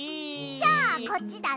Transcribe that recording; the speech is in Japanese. じゃあこっちだね！